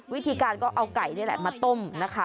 วิธีการก็เอาไก่นี่แหละมาต้มนะคะ